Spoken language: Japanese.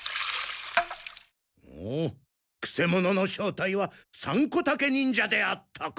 ほうくせ者の正体はサンコタケ忍者であったか。